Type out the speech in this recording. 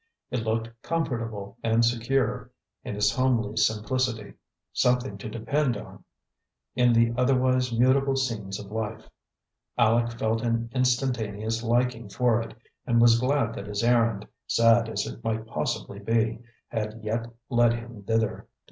It looked comfortable and secure, in its homely simplicity; something to depend on in the otherwise mutable scenes of life. Aleck felt an instantaneous liking for it, and was glad that his errand, sad as it might possibly be, had yet led him thither.